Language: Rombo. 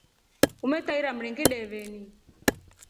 Umemetrairia Mringa ideveni.